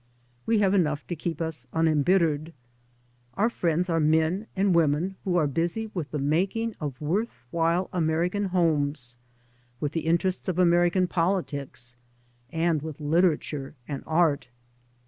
We have enough to keep us unembittered. Our friends are men and women who are busy with the making of worth while American homes, with the inter ests of American politics, and with literature and art.